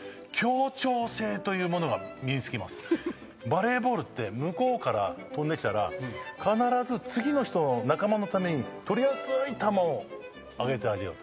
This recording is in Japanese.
バレーボールって向こうから飛んできたら必ず次の人仲間のために取りやすい球を上げてあげようと。